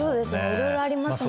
いろいろありますよね